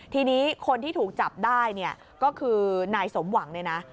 ทีนี้คนที่ถูกจับได้ก็คือนายสมหวัง